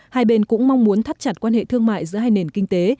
hai bên cũng mong muốn thắt chặt quan hệ thương mại giữa hai nền kinh tế